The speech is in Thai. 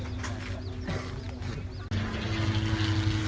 สวัสดีครับคุณผู้ชาย